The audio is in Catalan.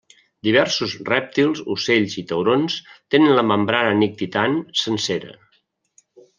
Diversos rèptils, ocells, i taurons tenen la membrana nictitant sencera.